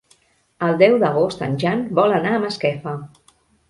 El deu d'agost en Jan vol anar a Masquefa.